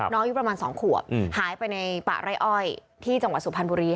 อายุประมาณ๒ขวบหายไปในป่าไร่อ้อยที่จังหวัดสุพรรณบุรี